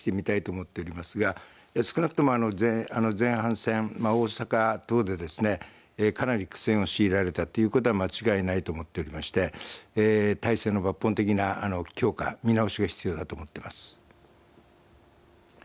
和歌山の結果についてこのあとよく分析してみたいと思っておりますが少なくとも前半戦、大阪等でかなり苦戦を強いられたということは間違いないと思っておりまして体制の抜本的な強化、見直しが必要だと思っています。